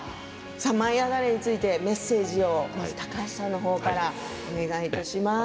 「舞いあがれ！」についてメッセージを高橋さんからお願いします。